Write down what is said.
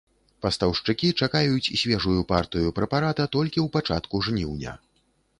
Пастаўшчыкі чакаюць свежую партыю прэпарата толькі ў пачатку жніўня.